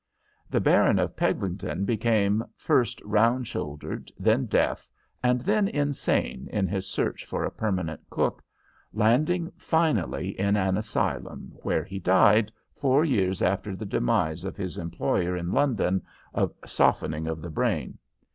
The Baron of Peddlington became, first round shouldered, then deaf, and then insane in his search for a permanent cook, landing finally in an asylum, where he died, four years after the demise of his employer in London, of softening of the brain.